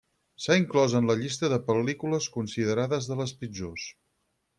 S'ha inclòs en la llista de pel·lícules considerades de les pitjors.